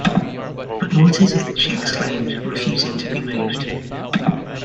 “But what is it?” she exclaimed, refusing to be moved.